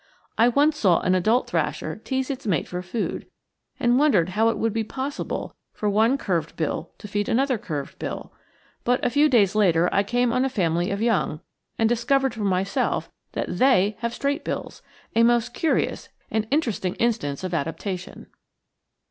I once saw an adult thrasher tease its mate for food, and wondered how it would be possible for one curved bill to feed another curved bill; but a few days later I came on a family of young, and discovered for myself that they have straight bills; a most curious and interesting instance of adaptation.